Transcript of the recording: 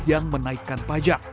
yang menaikkan pajak